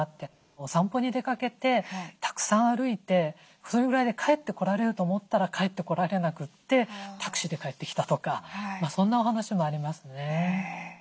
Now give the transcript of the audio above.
お散歩に出かけてたくさん歩いてそれぐらいで帰ってこられると思ったら帰ってこられなくてタクシーで帰ってきたとかそんなお話もありますね。